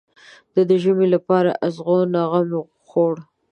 ده د ژمي لپاره د ازوغ غم خوړ.